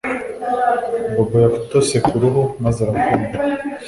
Bobo yatose kuruhu maze arakonja